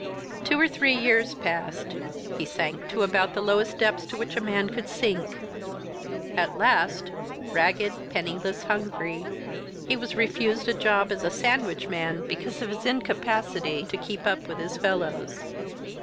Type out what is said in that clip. "Two or three years passed. He sank to about the lowest depths to which a man could sink. At last, ragged, penniless, hungry, he was refused a job as a sandwich man because of his incapacity to keep up with his fellows.